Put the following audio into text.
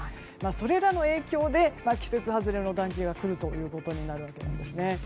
それらの影響で季節外れの暖気が来るということになるんですね。